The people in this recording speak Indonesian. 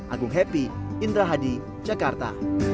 agung happy indra hadi jakarta